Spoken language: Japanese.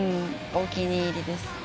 お気に入りです。